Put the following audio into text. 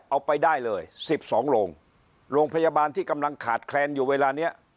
เอาไปได้เลย๑๒โรงโรงพยาบาลที่กำลังขาดแคลนอยู่เวลานี้